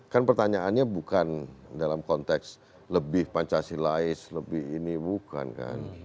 kan pertanyaannya bukan dalam konteks lebih pancasilais lebih ini bukan kan